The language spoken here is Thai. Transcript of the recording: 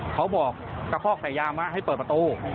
เขาบอกตะคอกใส่ยามาให้เปิดประตู